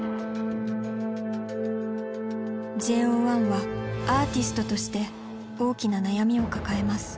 ＪＯ１はアーティストとして大きな悩みを抱えます。